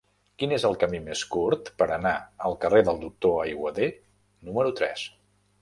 Quin és el camí més curt per anar al carrer del Doctor Aiguader número tres?